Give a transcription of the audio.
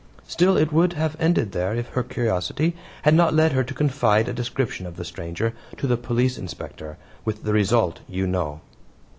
Still it would have ended there if her curiosity had not led her to confide a description of the stranger to the Police Inspector, with the result you know."